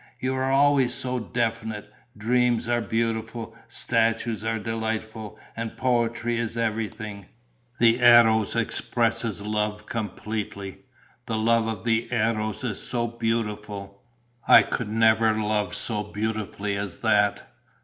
You are always so definite. Dreams are beautiful, statues are delightful and poetry is everything. The Eros expresses love completely. The love of the Eros is so beautiful! I could never love so beautifully as that....